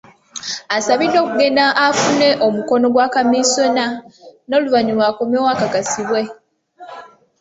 Asabibwa okugenda afune omukono gwa kamisona n'oluvannyuma akomewo akakasibwe.